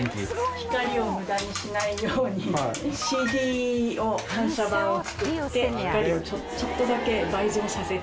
光を無駄にしないようにＣＤを反射板を作って光をちょっとだけ倍増させて。